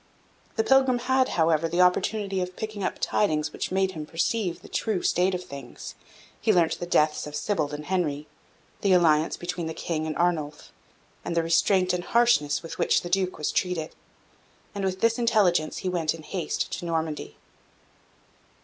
The pilgrim had, however, the opportunity of picking up tidings which made him perceive the true state of things: he learnt the deaths of Sybald and Henry, the alliance between the King and Arnulf, and the restraint and harshness with which the Duke was treated; and with this intelligence he went in haste to Normandy.